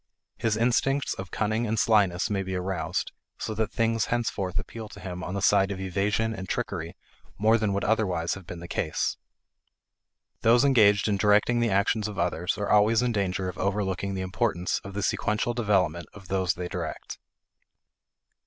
His instincts of cunning and slyness may be aroused, so that things henceforth appeal to him on the side of evasion and trickery more than would otherwise have been the case. Those engaged in directing the actions of others are always in danger of overlooking the importance of the sequential development of those they direct.